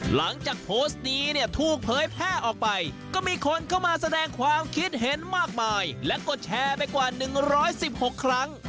หลังจากโพสต์นี้เนี่ยถูกเผยแพร่ออกไปก็มีคนเข้ามาแสดงความคิดเห็นมากมายและกดแชร์ไปกว่า๑๑๖ครั้ง